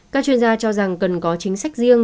các chuyên gia cho rằng cần có chính sách riêng